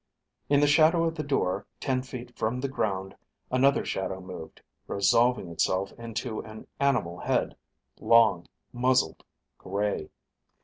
In the shadow of the door, ten feet from the ground, another shadow moved, resolving itself into an animal head, long, muzzled, gray.